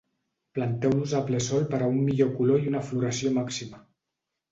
Planteu-los a ple sol per a un millor color i una floració màxima.